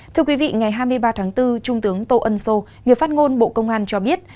thưa quý vị ngày hai mươi ba tháng bốn trung tướng tô ân sô người phát ngôn bộ công an cho biết